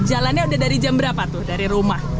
jalannya udah dari jam berapa tuh dari rumah